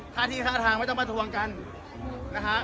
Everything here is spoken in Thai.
ค่าที่ค่าทางไม่ต้องมาทวงกันนะฮะ